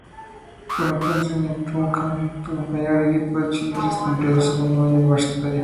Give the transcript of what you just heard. Por entonces Tim Duncan, compañero de equipo de Childress, cumplía su segundo año universitario.